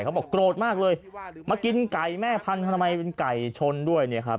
เขาบอกโกรธมากเลยมากินไก่แม่พันธุ์ทำไมเป็นไก่ชนด้วยเนี่ยครับ